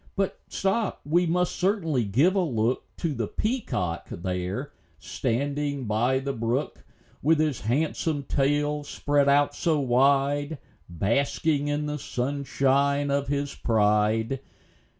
But stop! we must certainly give a look To the peacock there, standing by the brook, With his handsome tail spread out so wide, Basking in the sunshine of his pride.